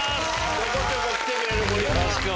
ちょこちょこ来てくれる森さん。